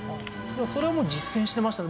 それはもう実践してましたね。